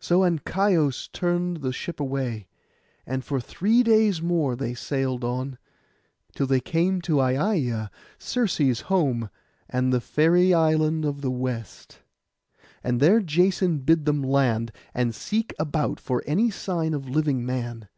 So Ancaios turned the ship away; and for three days more they sailed on, till they came to Aiaia, Circe's home, and the fairy island of the West. And there Jason bid them land, and seek about for any sign of living man.